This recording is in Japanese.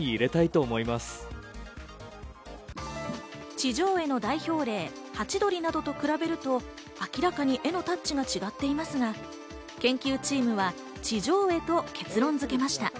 地上絵の代表例、ハチドリなどと比べると明らかに絵のタッチが違っていますが、研究チームは地上絵と結論付けました。